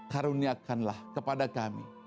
karuniakanlah kepada kami